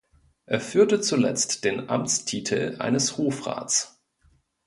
Er führte zuletzt den Amtstitel eines Hofrats.